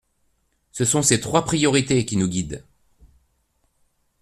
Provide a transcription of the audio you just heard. Ce sont ces trois priorités qui nous guident.